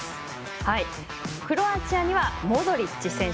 クロアチアにはモドリッチ選手。